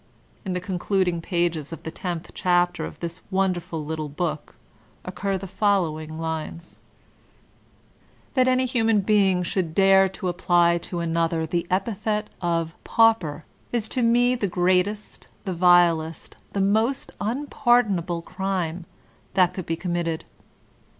In the concluding pages of the tenth chapter of this wonderful little book occur the following lines : "That any human being should dare to apply to an other the epithet of 'pauper' is to me the greatest, the vilest, the most unpardonable crime that could be com mitted.